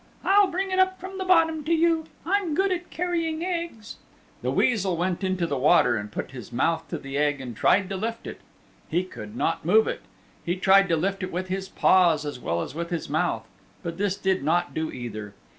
I'll bring it up from the bottom to you. I'm good at carrying eggs." The Weasel went into the water and put his mouth to the egg and tried to lift it. He could not move it. He tried to lift it with his paws as well as with his mouth; but this did not do either.